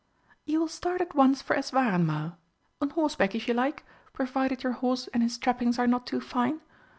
"You will start at once for Eswareinmal on horseback if you like, provided your horse and his trappings are not too fine.